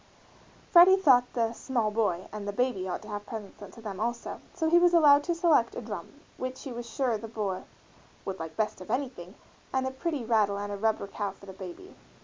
Freddie thought the "small boy" and the "baby" ought to have presents sent to them also; so he was allowed to select a drum, which he was sure the boy "would like best of anything," and a pretty rattle and a rubber cow for the baby.